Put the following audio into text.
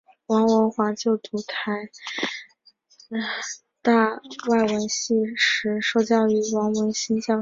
王文华就读台大外文系时受教于王文兴教授。